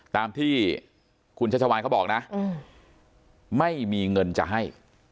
ตามที่คุณชัชวานเขาบอกนะไม่มีเงินจะให้